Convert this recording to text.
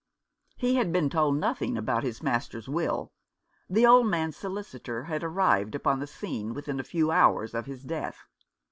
He had been told nothing about his master's will. The old man's solicitor had arrived upon the scene within a few hours of his death.